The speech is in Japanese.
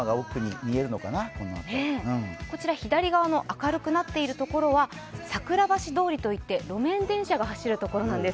こちら、左側の明るくなっているところは桜橋通りといって路面電車が走るところなんです。